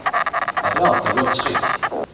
Err-aɣ-d awal, ttxil-k.